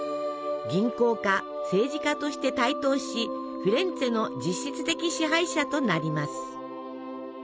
銀行家政治家として台頭しフィレンツェの実質的支配者となります。